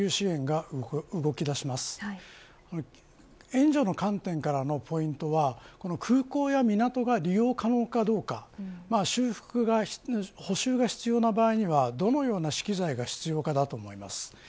援助の観点からのポイントはこの空港や港が利用可能かどうか補修が必要な場合にはどのような機材が必要かだと思います。